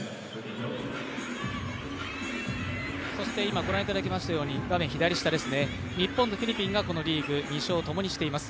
今ご覧いただきましたように、日本とフィリピンがこのリーグ、２勝をともにしています。